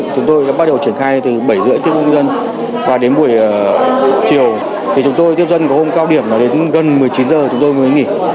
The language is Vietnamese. chúng tôi bắt đầu triển khai từ bảy h ba mươi tiếp công dân và đến buổi chiều thì chúng tôi tiếp dân có hôm cao điểm đến gần một mươi chín giờ chúng tôi mới nghỉ